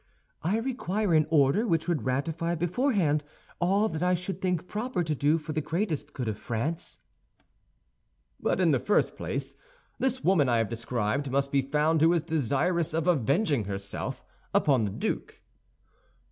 "I require an order which would ratify beforehand all that I should think proper to do for the greatest good of France." "But in the first place, this woman I have described must be found who is desirous of avenging herself upon the duke."